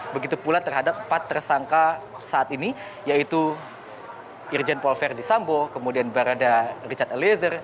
begitu pula terhadap empat tersangka saat ini yaitu irjen ferdisambol kemudian baranda richard eliezer